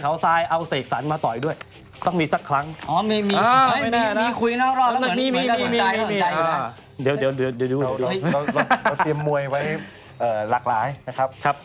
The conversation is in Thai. เขาเตรียมมวยไว้หลากหลายนะครับ